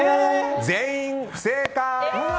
全員不正解！